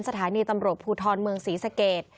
สถานีตำรวจภูทรเมืองศรีสเกต